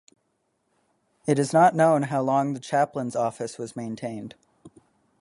It is not known how long the chaplain's office was maintained.